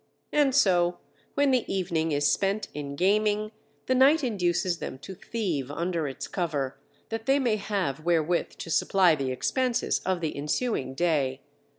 And so, when the evening is spent in gaming, the night induces them to thieve under its cover, that they may have wherewith to supply the expenses of the ensuing day.